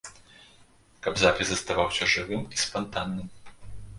Каб запіс заставаўся жывым і спантанным.